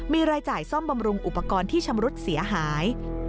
มีรายจ่ายซ่อมบำรุงอุปกรณ์ที่ชำรุดเสียหาย